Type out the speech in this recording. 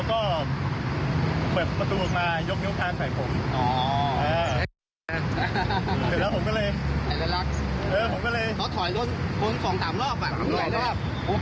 ๒๓รอบถอยคนถอยชนโหไม่ใช่แล้ว